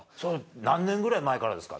何年ぐらい前からですか？